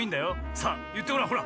さあいってごらんほら。